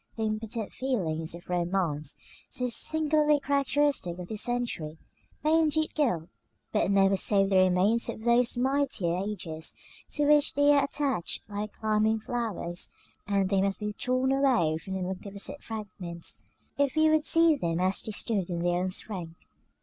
The impotent feelings of romance, so singularly characteristic of this century, may indeed gild, but never save the remains of those mightier ages to which they are attached like climbing flowers; and they must be torn away from the magnificent fragments, if we would see them as they stood in their own strength.